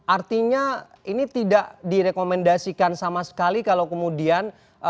artinya ini tidak direkomendasikan sama sekali kalau kemudian